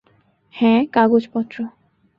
হ্যাঁ, কাগজপত্র।